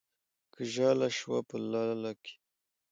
که ژاله شوه په لاله کې